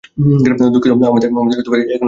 দুঃখিত, আমাদের এখনও ঠিকমত পরিচয় হয়নি।